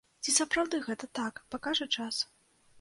Ці сапраўды гэта так, пакажа час.